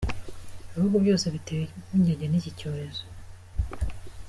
Ibihugu byose bitewe impungenge n’iki cyorezo.